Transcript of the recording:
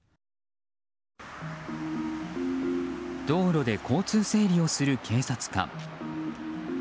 道路で交通整理をする警察官。